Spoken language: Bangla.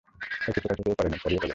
একটু চোখাচোখিও করেনি, সরিও বলেনি।